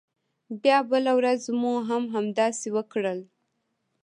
بیا بله ورځ مو هم همداسې وکړل.